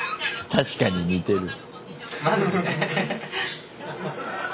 確かに似てる。